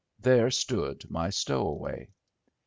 There stood my stowaway.